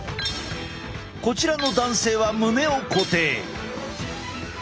こちらの男性は胸を固定。